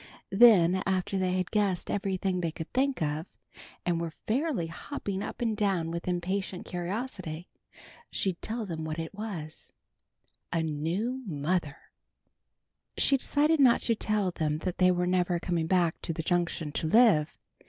Then after they had guessed everything they could think of, and were fairly hopping up and down with impatient curiosity, she'd tell them what it was: a new mother! She decided not to tell them that they were never coming back to the Junction to live.